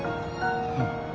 うん。